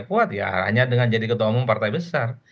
kuat ya hanya dengan jadi ketua umum partai besar